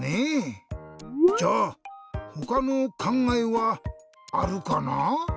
じゃあほかのかんがえはあるかな？